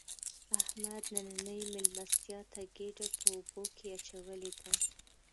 احمد نننۍ مېلمستیا ته ګېډه په اوبو کې اچولې ده.